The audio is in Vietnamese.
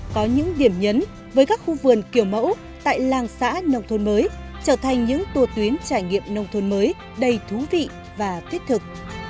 có những điểm nhấn với các khu vườn kiểu mẫu tại làng xã nông thôn mới trở thành những tùa tuyến trải nghiệm nông thôn mới đầy thú vị và thiết thực